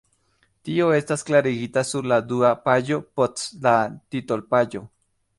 Tio estas klarigita sur la dua paĝo post la titolpaĝo.